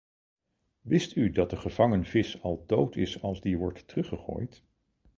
Wist u dat de gevangen vis al dood is als die wordt teruggegooid?